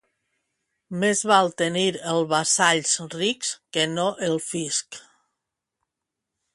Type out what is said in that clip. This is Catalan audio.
Més val tenir els vassalls rics que no el fisc.